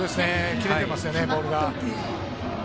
切れてますよね、ボールが。